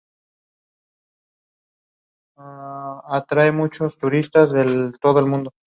El encargo engloba asimismo el proyecto del entorno urbanístico.